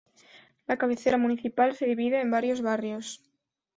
La cabecera municipal se divide en varios barrios.